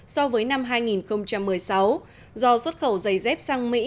so với năm hai nghìn một mươi sáu do xuất khẩu giày dép sang mỹ